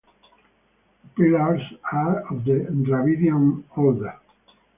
The pillars are of the Dravidian order.